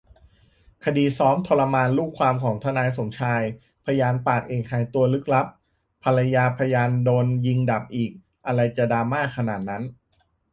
คดีนซ้อมทรมานลูกความของทนายสมชาย พยานปากเอกหายตัวลึกลับ ภรรยาพยานโดนยิงดับอีก อะไรจะดราม่าขนาดนั้น